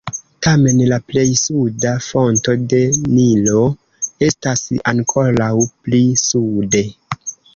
Tamen la plej suda fonto de Nilo estas ankoraŭ pli sude.